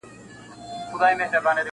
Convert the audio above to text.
بدرګه را سره ستوري وړمه یاره,